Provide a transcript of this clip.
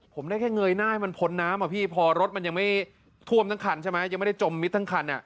ผมแค่ได้เงยหน้าให้มันพ้นน้ำเนื่องจากคนนั้นทำไมธุ่มจมมิดทั้งขัน